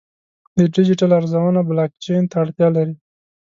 د ډیجیټل ارزونه بلاکچین ته اړتیا لري.